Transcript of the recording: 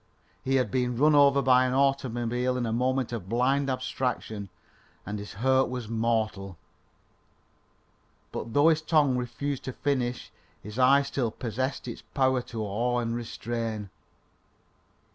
He had been run over by an automobile in a moment of blind abstraction, and his hurt was mortal. But though his tongue refused to finish, his eye still possessed its power to awe and restrain.